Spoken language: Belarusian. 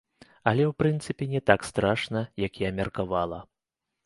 Але, у прынцыпе, не так страшна, як я меркавала.